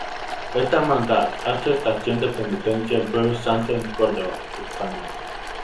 Esta hermandad hace estación de Penitencia el Jueves Santo en Córdoba, España.